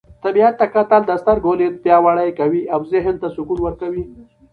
طبیعت ته کتل د سترګو لید پیاوړی کوي او ذهن ته سکون ورکوي.